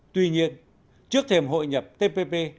tuy nhiên trước thềm hội nhập tpp